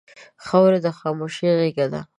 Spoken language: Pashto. خاوره د خاموشۍ غېږه ده.